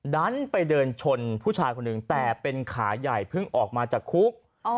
ดันไปเดินชนผู้ชายคนหนึ่งแต่เป็นขาใหญ่เพิ่งออกมาจากคุก